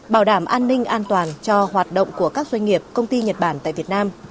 bảo đảm an ninh an toàn cho hoạt động của các doanh nghiệp công ty nhật bản tại việt nam